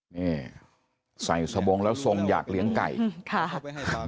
นี่ใส่สบงแล้วทรงอยากเลี้ยงไก่ค่ะ